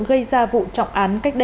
gây ra vụ trọng án